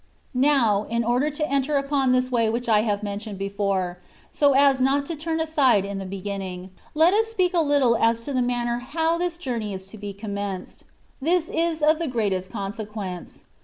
Now, in order to enter upon this way which I have mentioned before, so as not to turn aside in the beginning, let us speak a little as to the man ner how this journey is to be commenced ; this is of the greatest consequence.